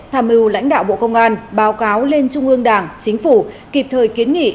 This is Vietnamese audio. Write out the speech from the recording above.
tham mưu lãnh đạo bộ công an báo cáo lên trung ương đảng chính phủ kịp thời kiến nghị